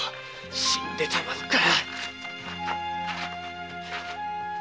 死んでたまるか！